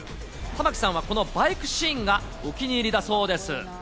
玉木さんはこのバイクシーンがお気に入りだそうです。